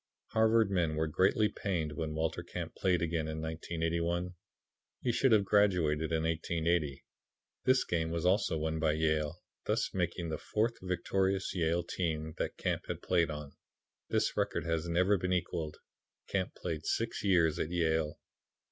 Harvard men were greatly pained when Walter Camp played again in 1881. He should have graduated in 1880. This game was also won by Yale, thus making the fourth victorious Yale team that Camp played on. This record has never been equalled. Camp played six years at Yale.